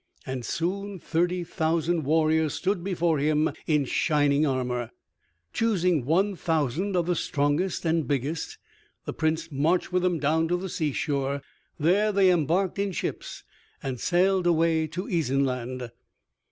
And soon thirty thousand warriors stood before him in shining armor. Choosing one thousand of the strongest and biggest, the Prince marched with them down to the seashore. There they embarked in ships and sailed away to Isenland.